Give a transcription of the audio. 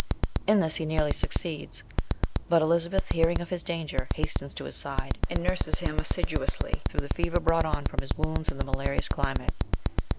In this he nearly succeeds, but Elizabeth, hearing of his danger, hastens to his side, and nurses him assiduously through the fever brought on from his wounds and the malarious climate.